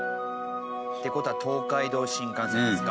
って事は東海道新幹線ですか。